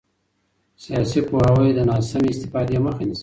سیاسي پوهاوی د ناسمې استفادې مخه نیسي